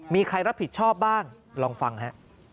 มีใครรับผิดชอบบ้างลองฟังฮะ